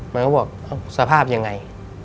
มันก็บอกสภาพยังไง